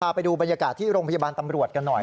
ไปดูบรรยากาศที่โรงพยาบาลตำรวจกันหน่อย